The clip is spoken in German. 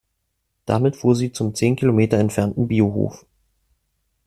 Damit fuhr sie zum zehn Kilometer entfernten Biohof.